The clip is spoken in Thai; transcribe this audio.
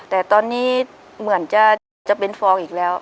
แต่ตอนนี้เหมือนจะเป็นฟองอีกแล้ว